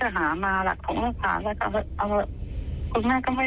ช่วยทำงานหาหลักฐานก็ดีแล้วคุณแม่ไม่ได้ว่าอะไร